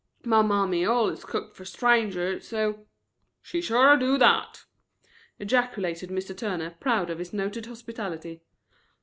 My mammy allus cooked fer strangers, so " "She shore do that," ejaculated Mr. Turner, proud of his noted hospitality.